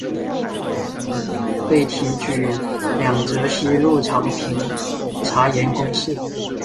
被提举两浙西路常平茶盐公事。